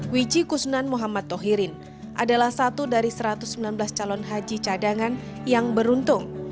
wiji kusunan muhammad tohirin adalah satu dari satu ratus sembilan belas calon haji cadangan yang beruntung